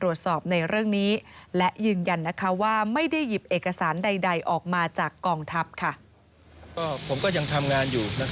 ในเรื่องนี้และยืนยันว่าไม่ได้หยิบเอกสารใดออกมาจากกองทัพ